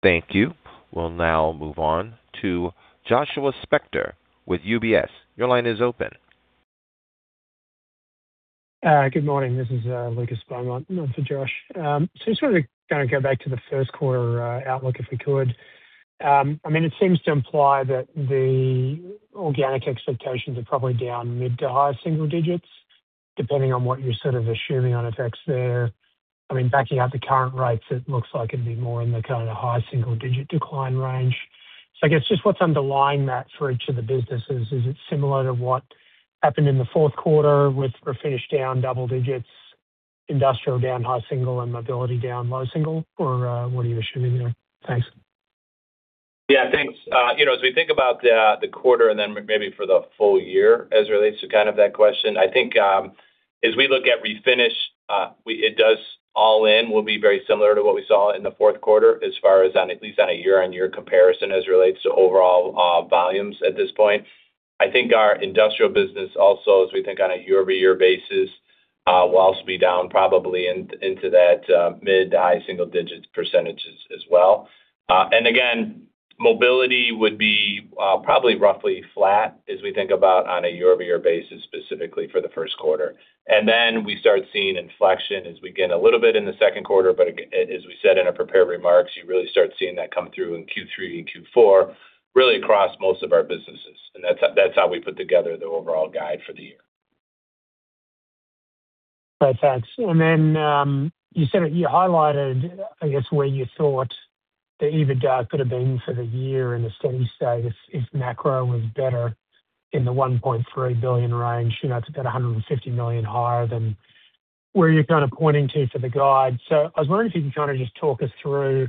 Thank you. We'll now move on to Joshua Spector with UBS. Your line is open. Good morning. This is Lucas Beaumont for Josh. So I just wanted to kind of go back to the first quarter outlook if we could. I mean, it seems to imply that the organic expectations are probably down mid- to high-single digits, depending on what you're sort of assuming on effects there. I mean, backing out the current rates, it looks like it'd be more in the kind of high-single-digit decline range. So I guess just what's underlying that for each of the businesses is it similar to what happened in the fourth quarter with refinish down double digits, industrial down high single, and mobility down low single? Or what are you assuming there? Thanks. Yeah. Thanks. As we think about the quarter and then maybe for the full year as it relates to kind of that question, I think as we look at Refinish, it does all in will be very similar to what we saw in the fourth quarter as far as at least on a year-on-year comparison as it relates to overall volumes at this point. I think our Industrial business also, as we think on a year-over-year basis, will also be down probably into that mid- to high-single-digit percentages as well. And again, Mobility would be probably roughly flat as we think about on a year-over-year basis specifically for the first quarter. And then we start seeing inflection as we get a little bit in the second quarter. But as we said in our prepared remarks, you really start seeing that come through in Q3 and Q4 really across most of our businesses. And that's how we put together the overall guide for the year. All right. Thanks. And then you highlighted, I guess, where you thought the EBITDA could have been for the year in a steady state if macro was better in the $1.3 billion range. It's about $150 million higher than where you're kind of pointing to for the guide. So I was wondering if you could kind of just talk us through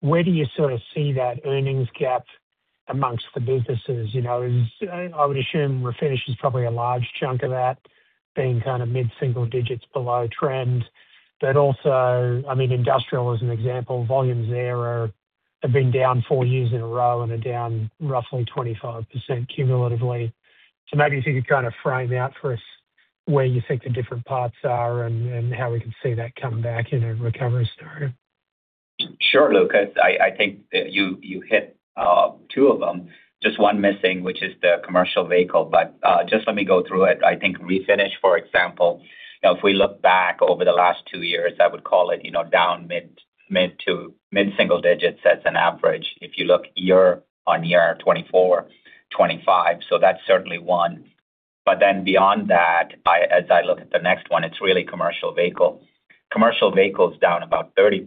where do you sort of see that earnings gap amongst the businesses? I would assume refinish is probably a large chunk of that being kind of mid single digits below trend. But also, I mean, industrial as an example, volumes there have been down four years in a row and are down roughly 25% cumulatively. So maybe if you could kind of frame out for us where you think the different parts are and how we can see that come back in a recovery story. Sure, Lucas. I think you hit two of them, just one missing, which is the commercial vehicle. But just let me go through it. I think refinish, for example, if we look back over the last two years, I would call it down mid- to mid-single digits as an average if you look year-over-year 2024, 2025. So that's certainly one. But then beyond that, as I look at the next one, it's really commercial vehicle. Commercial vehicle is down about 30%,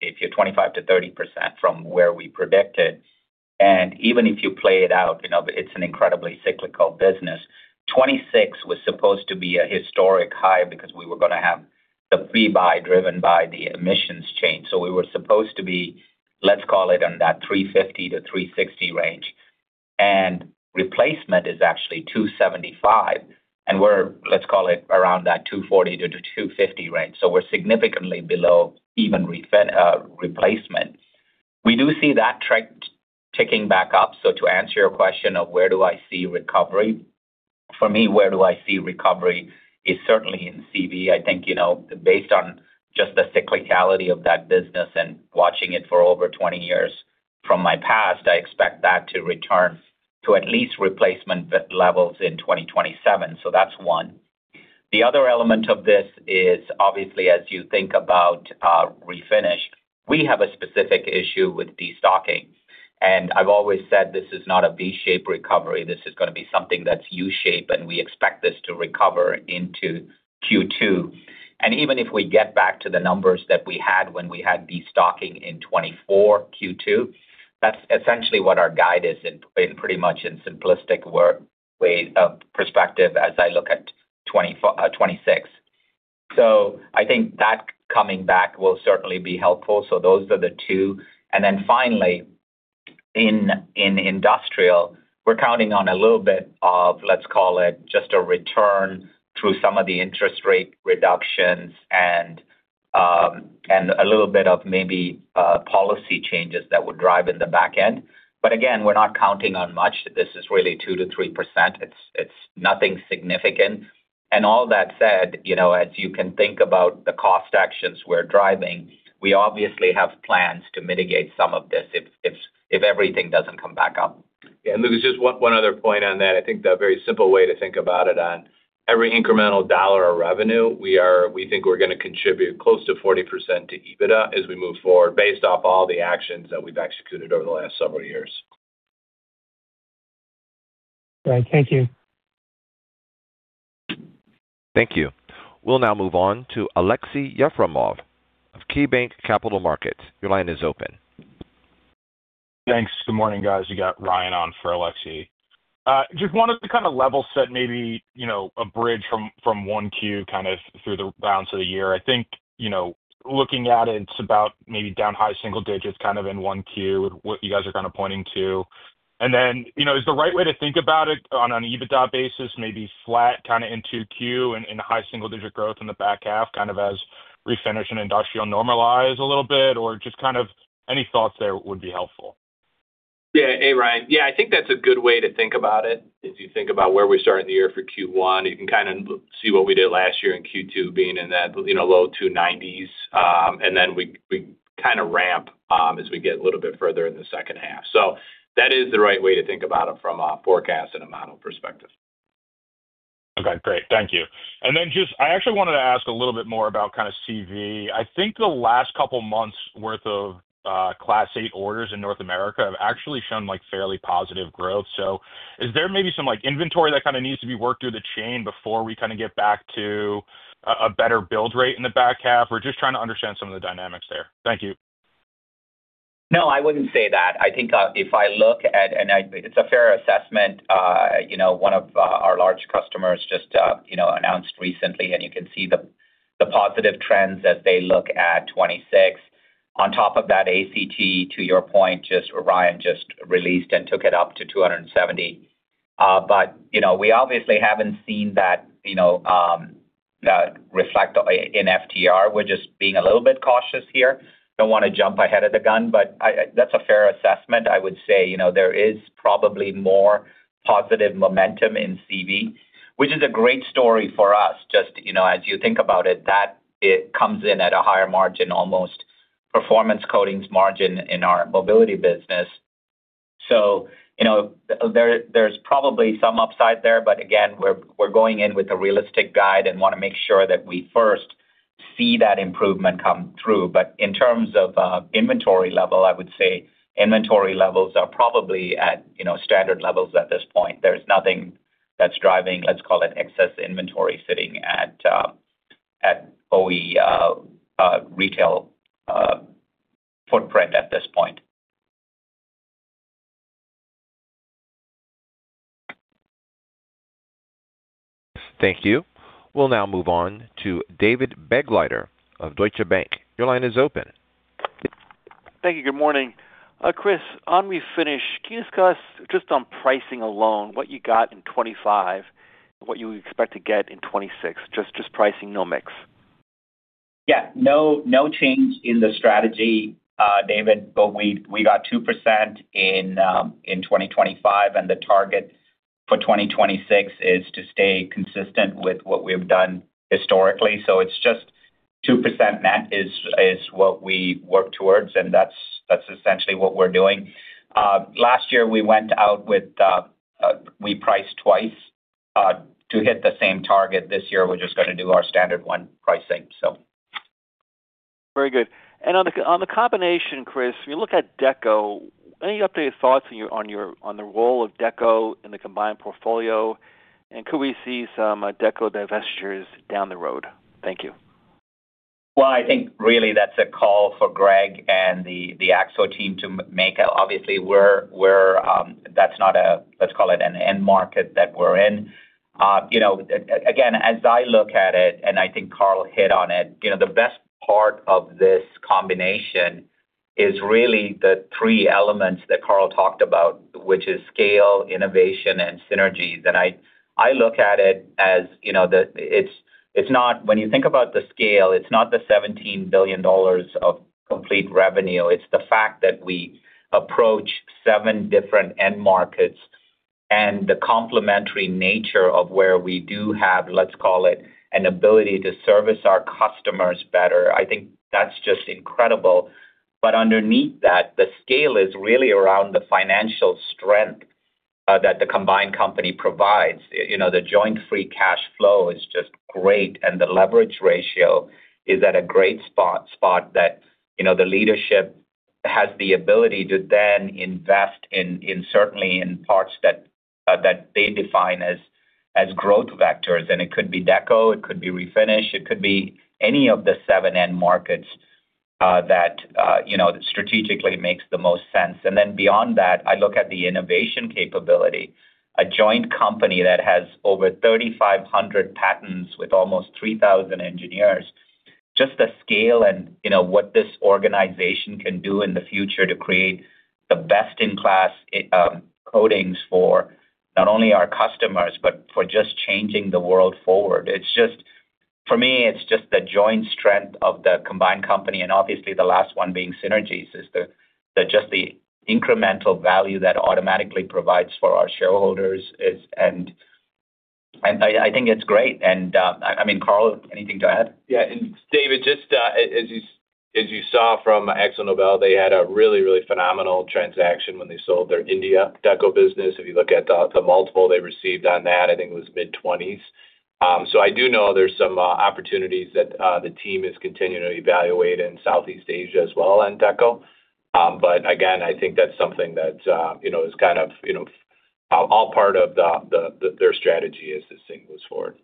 if you're 25%-30% from where we predicted. And even if you play it out, it's an incredibly cyclical business. 2026 was supposed to be a historic high because we were going to have the pre-buy driven by the emissions change. So we were supposed to be, let's call it, on that 350-360 range. And replacement is actually 275. And we're, let's call it, around that 240-250 range. So we're significantly below even replacement. We do see that trend ticking back up. So to answer your question of where do I see recovery, for me, where do I see recovery is certainly in CV. I think based on just the cyclicality of that business and watching it for over 20 years from my past, I expect that to return to at least replacement levels in 2027. So that's one. The other element of this is, obviously, as you think about refinish, we have a specific issue with destocking. And I've always said this is not a V-shape recovery. This is going to be something that's U-shaped, and we expect this to recover into Q2. And even if we get back to the numbers that we had when we had destocking in 2024 Q2, that's essentially what our guide is in pretty much in simplistic perspective as I look at 2026. So I think that coming back will certainly be helpful. So those are the two. And then finally, in industrial, we're counting on a little bit of, let's call it, just a return through some of the interest rate reductions and a little bit of maybe policy changes that would drive in the back end. But again, we're not counting on much. This is really 2%-3%. It's nothing significant. And all that said, as you can think about the cost actions we're driving, we obviously have plans to mitigate some of this if everything doesn't come back up. Yeah. And Lucas, just one other point on that. I think the very simple way to think about it, on every incremental dollar of revenue, we think we're going to contribute close to 40% to EBITDA as we move forward based off all the actions that we've executed over the last several years. All right. Thank you. Thank you. We'll now move on to Aleksey Yefremov of KeyBanc Capital Markets. Your line is open. Thanks. Good morning, guys. You got Ryan on for Aleksey. Just wanted to kind of level set, maybe a bridge from 1Q kind of through the balance of the year. I think looking at it, it's about maybe down high single digits kind of in 1Q, what you guys are kind of pointing to. And then is the right way to think about it on an EBITDA basis, maybe flat kind of in 2Q and high single digit growth in the back half kind of as Refinish and Industrial normalize a little bit, or just kind of any thoughts there would be helpful? Yeah. Hey, Ryan. Yeah. I think that's a good way to think about it. If you think about where we start in the year for Q1, you can kind of see what we did last year in Q2 being in that low 290s. And then we kind of ramp as we get a little bit further in the second half. So that is the right way to think about it from a forecast and a model perspective. Okay. Great. Thank you. And then just I actually wanted to ask a little bit more about kind of CV. I think the last couple of months' worth of Class 8 orders in North America have actually shown fairly positive growth. So is there maybe some inventory that kind of needs to be worked through the chain before we kind of get back to a better build rate in the back half? We're just trying to understand some of the dynamics there. Thank you. No, I wouldn't say that. I think if I look at and it's a fair assessment. One of our large customers just announced recently, and you can see the positive trends as they look at 2026. On top of that, ACT, to your point, Ryan just released and took it up to 270. But we obviously haven't seen that reflect in FTR. We're just being a little bit cautious here. Don't want to jump ahead of the gun, but that's a fair assessment. I would say there is probably more positive momentum in CV, which is a great story for us. Just as you think about it, that comes in at a higher margin, almost performance coatings margin in our mobility business. So there's probably some upside there. But again, we're going in with a realistic guide and want to make sure that we first see that improvement come through. But in terms of inventory level, I would say inventory levels are probably at standard levels at this point. There's nothing that's driving, let's call it, excess inventory sitting at OE retail footprint at this point. Thank you. We'll now move on to David Begleiter of Deutsche Bank. Your line is open. Thank you. Good morning. Chris, on refinish, can you discuss just on pricing alone, what you got in 2025 and what you expect to get in 2026? Just pricing, no mix. Yeah. No change in the strategy, David, but we got 2% in 2025. The target for 2026 is to stay consistent with what we've done historically. So it's just 2% net is what we work towards, and that's essentially what we're doing. Last year, we went out with, we priced twice to hit the same target. This year, we're just going to do our standard one pricing, so. Very good. On the combination, Chris, when you look at Deco, any updated thoughts on the role of Deco in the combined portfolio? Could we see some Deco divestitures down the road? Thank you. Well, I think really that's a call for Greg and the Axalta team to make. Obviously, that's not a, let's call it, an end market that we're in. Again, as I look at it, and I think Carl hit on it, the best part of this combination is really the three elements that Carl talked about, which is scale, innovation, and synergy. Then I look at it as it's not when you think about the scale, it's not the $17 billion of complete revenue. It's the fact that we approach seven different end markets and the complementary nature of where we do have, let's call it, an ability to service our customers better. I think that's just incredible. But underneath that, the scale is really around the financial strength that the combined company provides. The joint free cash flow is just great, and the leverage ratio is at a great spot that the leadership has the ability to then invest in, certainly, in parts that they define as growth vectors. It could be Deco. It could be refinish. It could be any of the seven end markets that strategically makes the most sense. Then beyond that, I look at the innovation capability. A joint company that has over 3,500 patents with almost 3,000 engineers, just the scale and what this organization can do in the future to create the best-in-class coatings for not only our customers but for just changing the world forward. For me, it's just the joint strength of the combined company. Obviously, the last one being synergies is just the incremental value that automatically provides for our shareholders. I think it's great. I mean, Carl, anything to add? Yeah. And David, just as you saw from AkzoNobel, they had a really, really phenomenal transaction when they sold their India Deco business. If you look at the multiple they received on that, I think it was mid-20s. So I do know there's some opportunities that the team is continuing to evaluate in Southeast Asia as well on Deco. But again, I think that's something that is kind of all part of their strategy as this thing moves forward.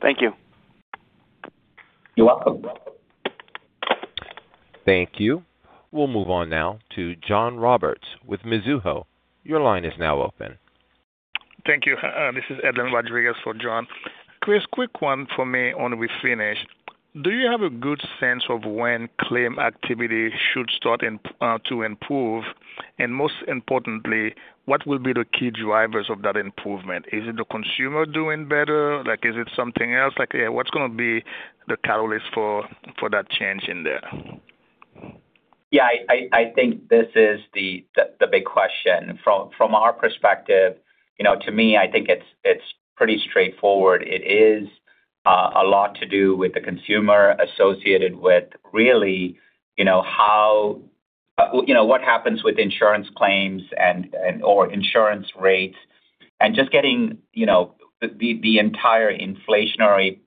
Thank you. You're welcome. Thank you. We'll move on now to John Roberts with Mizuho. Your line is now open. Thank you. This is Edlain Rodriguez for John. Chris, quick one for me on Refinish. Do you have a good sense of when claim activity should start to improve? And most importantly, what will be the key drivers of that improvement? Is it the consumer doing better? Is it something else? What's going to be the catalyst for that change in there? Yeah. I think this is the big question. From our perspective, to me, I think it's pretty straightforward. It is a lot to do with the consumer associated with really what happens with insurance claims or insurance rates and just getting the entire inflationary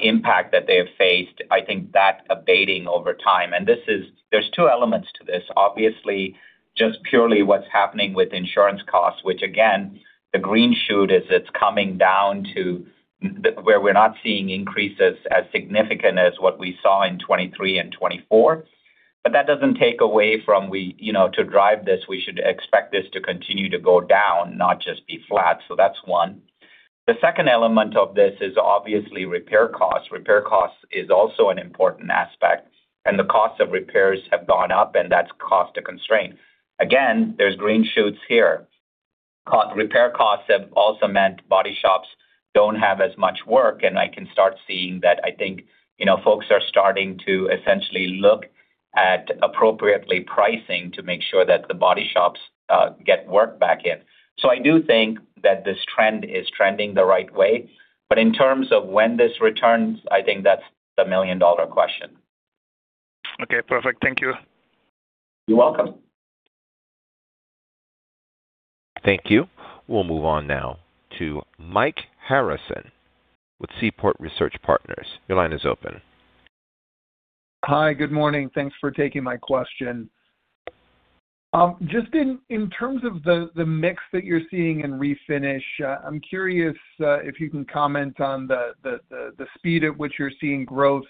impact that they have faced, I think, that abating over time. There's two elements to this. Obviously, just purely what's happening with insurance costs, which again, the green shoot is it's coming down to where we're not seeing increases as significant as what we saw in 2023 and 2024. But that doesn't take away from to drive this, we should expect this to continue to go down, not just be flat. So that's one. The second element of this is obviously repair costs. Repair costs is also an important aspect. And the costs of repairs have gone up, and that's cost to constraint. Again, there's green shoots here. Repair costs have also meant body shops don't have as much work. And I can start seeing that I think folks are starting to essentially look at appropriately pricing to make sure that the body shops get work back in. So I do think that this trend is trending the right way. But in terms of when this returns, I think that's the million-dollar question. Okay. Perfect. Thank you. You're welcome. Thank you. We'll move on now to Mike Harrison with Seaport Research Partners. Your line is open. Hi. Good morning. Thanks for taking my question. Just in terms of the mix that you're seeing in refinish, I'm curious if you can comment on the speed at which you're seeing growth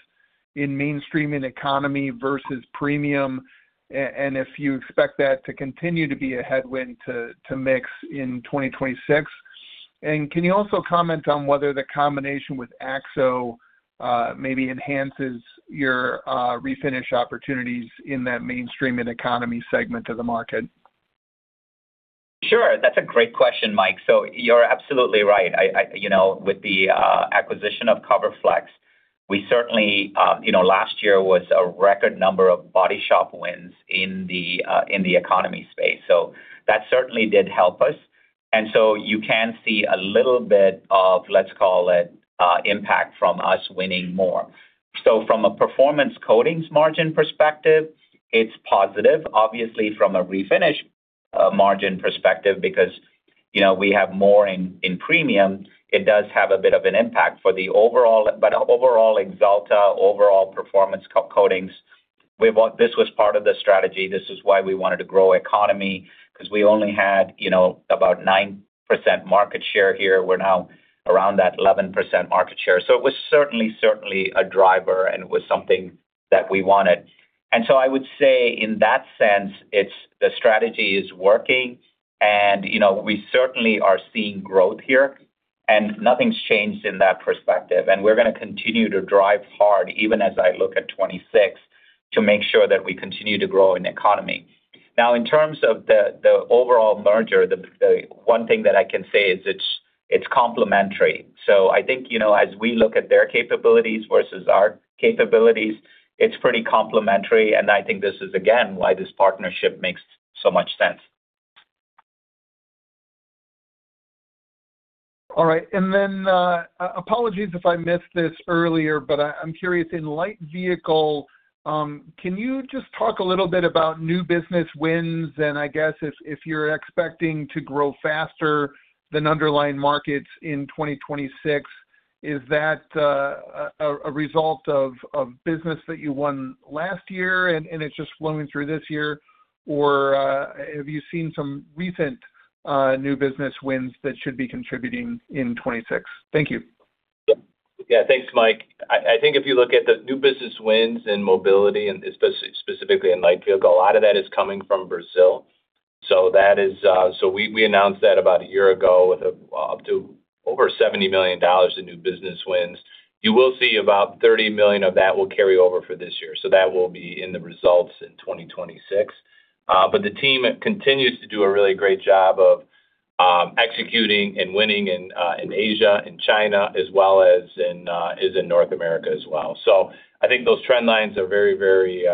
in mainstream economy versus premium and if you expect that to continue to be a headwind to mix in 2026. Can you also comment on whether the combination with AkzoNobel maybe enhances your refinish opportunities in that mainstream economy segment of the market? Sure. That's a great question, Mike. So you're absolutely right. With the acquisition of CoverFlexx, we certainly last year was a record number of body shop wins in the economy space. So that certainly did help us. And so you can see a little bit of, let's call it, impact from us winning more. So from a performance coatings margin perspective, it's positive. Obviously, from a refinish margin perspective because we have more in premium, it does have a bit of an impact for the overall but overall Axalta, overall performance coatings. This was part of the strategy. This is why we wanted to grow economy because we only had about 9% market share here. We're now around that 11% market share. So it was certainly, certainly a driver, and it was something that we wanted. And so I would say in that sense, the strategy is working. We certainly are seeing growth here. Nothing's changed in that perspective. We're going to continue to drive hard even as I look at 2026 to make sure that we continue to grow in economy. Now, in terms of the overall merger, the one thing that I can say is it's complementary. So I think as we look at their capabilities versus our capabilities, it's pretty complementary. And I think this is, again, why this partnership makes so much sense. All right. And then apologies if I missed this earlier, but I'm curious, in light vehicle, can you just talk a little bit about new business wins? And I guess if you're expecting to grow faster than underlying markets in 2026, is that a result of business that you won last year and it's just flowing through this year? Or have you seen some recent new business wins that should be contributing in 2026? Thank you. Yeah. Thanks, Mike. I think if you look at the new business wins in mobility, specifically in light vehicle, a lot of that is coming from Brazil. So we announced that about a year ago with up to over $70 million in new business wins. You will see about $30 million of that will carry over for this year. So that will be in the results in 2026. But the team continues to do a really great job of executing and winning in Asia and China as well as in North America as well. So I think those trend lines are very, very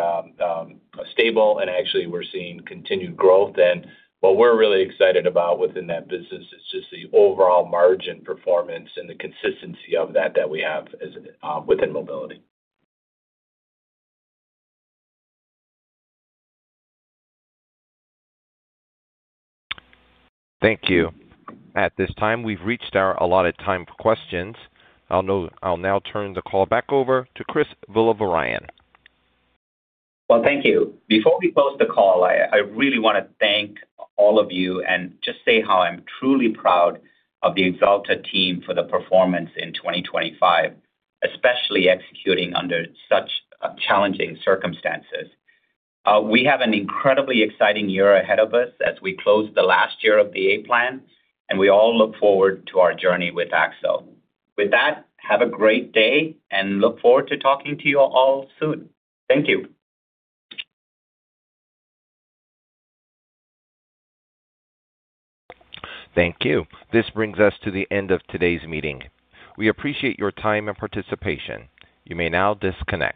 stable. And actually, we're seeing continued growth. And what we're really excited about within that business is just the overall margin performance and the consistency of that that we have within mobility. Thank you. At this time, we've reached our allotted time for questions. I'll now turn the call back over to Chris Villavarayan. Well, thank you. Before we close the call, I really want to thank all of you and just say how I'm truly proud of the Axalta team for the performance in 2025, especially executing under such challenging circumstances. We have an incredibly exciting year ahead of us as we close the last year of the A-Plan. We all look forward to our journey with Akzo. With that, have a great day and look forward to talking to you all soon. Thank you. Thank you. This brings us to the end of today's meeting. We appreciate your time and participation. You may now disconnect.